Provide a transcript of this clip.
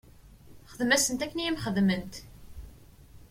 Xdem-asent akken i m-xedment.